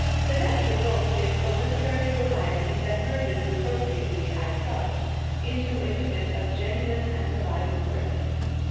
The net result is a literary variety that merges appropriately, I trust, into a unit of genuine and abiding worth.